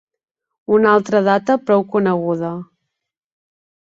Una altra data prou coneguda.